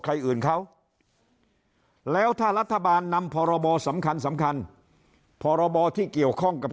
ใครอื่นเขาแล้วถ้ารัฐบาลนำพรบสำคัญสำคัญพรบที่เกี่ยวข้องกับ